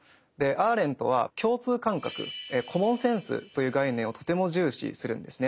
アーレントは共通感覚コモンセンスという概念をとても重視するんですね。